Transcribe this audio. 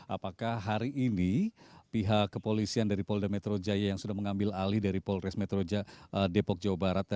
apakah hari ini pihak kepolisian dari polda metro jaya yang sudah mengambil alih dari polres metro depok jawa barat